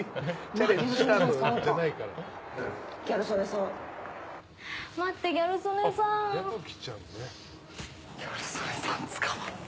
うわ、ギャル曽根さん捕まった。